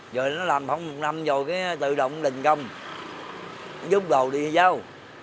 giờ nó làm không một năm rồi tự động định công giúp đồ đi giao